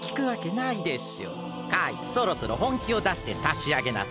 カイそろそろほんきをだしてさしあげなさい。